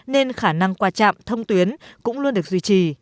nên khả năng qua trạm thông tuyến cũng luôn được duy trì